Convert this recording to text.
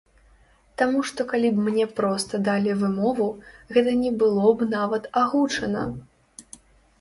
Таму што калі б мне проста далі вымову, гэта не было б нават агучана.